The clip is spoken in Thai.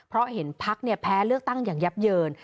เพราะเห็นพักแพ้เลือกตั้งอย่างยับเยิน